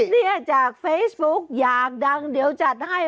เนี่ยจากเฟซบุ๊กอยากดังเดี๋ยวจัดให้